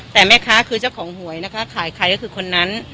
แต่แม่ค้าคือเจ้าของหวยนะคะขายใครก็คือคนนั้น